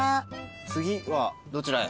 次はどちらへ？